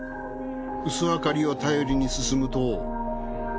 薄明かりを頼りに進むと。